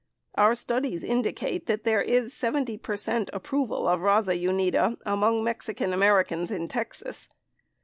Our studies indicate that there is 70 percent approval of Raza Unida among Mexican Ameri cans in Texas.